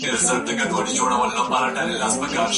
که ماشوم ونه ژاړي، فضا به ښه شي.